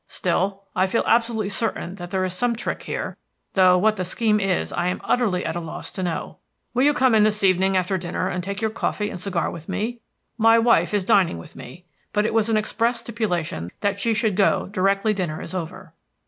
"Still, I feel absolutely certain that there is some trick here, though what the scheme is I am utterly at a loss to know. Will you come in this evening after dinner and take your coffee and cigar with me? My wife is dining with me, but it was an express stipulation that she should go directly dinner is over."